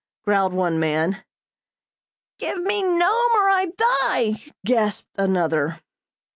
growled one man. "Give me Nome or I die!" gasped another.